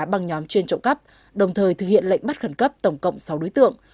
bằng nhóm chuyên trộm cắp đồng thời thực hiện lệnh bắt khẩn cấp tổng cộng sáu đối tượng